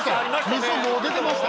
味噌もう出てましたよ。